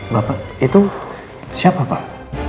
bapak itu siapa pak